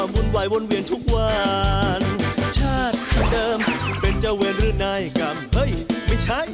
โปรดติดตามต่อไป